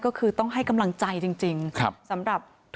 แล้วน้องคนที่แยกกับเรา